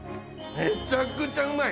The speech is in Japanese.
めっちゃくちゃうまい。